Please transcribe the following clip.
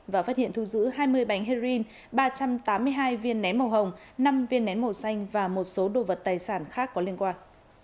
và phát hiện thu giữ hai mươi bánh heroin ba trăm tám mươi hai viên nén màu hồng năm viên nén màu xanh và một số đồ vật tài sản khác có liên quan